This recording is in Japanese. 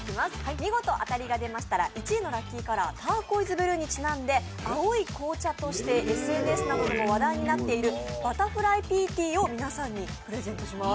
見事当たりが出ましたら、１位のラッキーカラー、ターコイズブルーにちなんで、青い紅茶としてＳＮＳなどでも話題になっているバタフライピーティーを皆さんにプレゼントします。